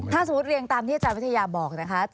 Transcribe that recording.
ถ้าสมมุติเรียงตามที่อาจารย์วิทยาบอกนะคะ